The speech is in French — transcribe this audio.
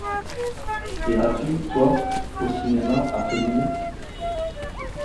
Iras-tu, toi, au cinéma après dîner ?